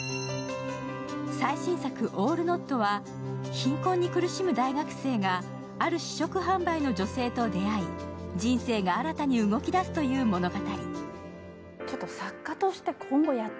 最新作、「オール・ノット」は貧困に苦しむ大学生がある試食販売の女性と出会い、人生が新たに動き出すという物語。